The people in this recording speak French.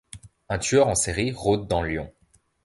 Un tueur en série rôde dans Lyon.